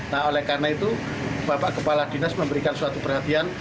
nah oleh karena itu bapak kepala dinas memberikan suatu perhatian